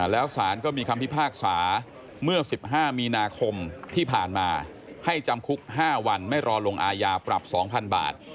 แล้วสารก็มีคำพิพากษาเมื่อ๑๕มีนาคมที่ผ่านมาให้จำคุก๕วันไม่รอลงอาญาปรับ๒๐๐๐บาท